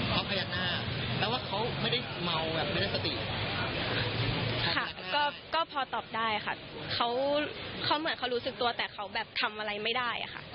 เพราะพญานาคแปลว่าเขาไม่ได้เมาแบบไม่ได้สติค่ะก็พอตอบได้ค่ะเขาเหมือนเขารู้สึกตัวแต่เขาแบบทำอะไรไม่ได้อะค่ะ